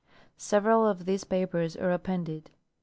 Several of these papers are appended.